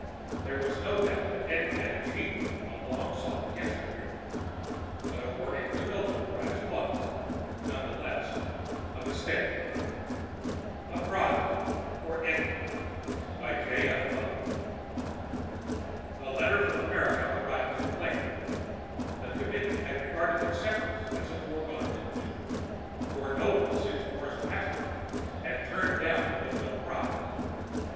There was no doubt that Edie had achieved the long sought cancer cure ... but awarding the Nobel Prize was, nonetheless, a mistake ..._ The letter from America arrived too late. The Committee had regarded acceptance as a foregone conclusion, for no one since Boris Pasternak had turned down a Nobel Prize.